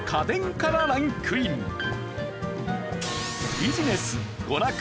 ビジネス娯楽。